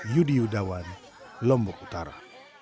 yudi udawan lombok utara